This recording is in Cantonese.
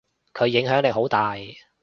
佢影響力好大。